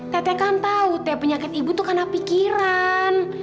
tete kan tahu teh penyakit ibu tuh karena pikiran